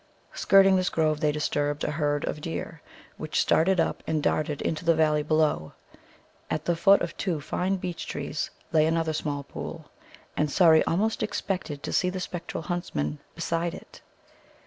Skirting this grove, they disturbed a herd of deer, which started up, and darted into the valley below. At the foot of two fine beech trees lay another small pool, and Surrey almost expected to see the spectral huntsman beside it.